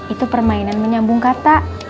itu permainan menyambung kata